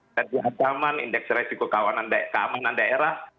terjaga zaman indeks risiko keamanan daerah